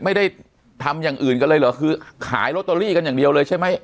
ไม่ได้ทำอย่างอื่นกันเลยเหรอคือขายลอตเตอรี่กันอย่างเดียวเลยใช่ไหม